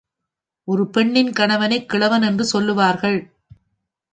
ஒரு பெண்ணின் கணவனை, கிழவன் என்று சொல்வார்கள்.